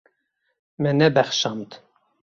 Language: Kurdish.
Me nebexşand.